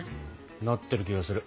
なってる気がする。